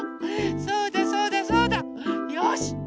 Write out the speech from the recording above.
そうだそうだそうだ。よし！